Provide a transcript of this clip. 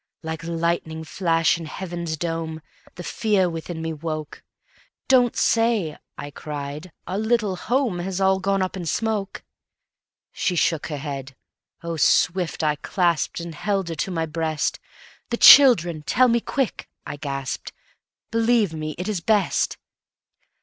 Like lightning flash in heaven's dome The fear within me woke: "Don't say," I cried, "our little home Has all gone up in smoke!" She shook her head. Oh, swift I clasped And held her to my breast; "The children! Tell me quick," I gasped, "Believe me, it is best."